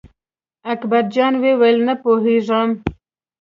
اکبر جان وویل: نه پوهېږم.